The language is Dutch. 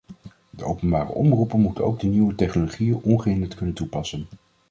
De openbare omroepen moeten ook de nieuwe technologieën ongehinderd kunnen toepassen.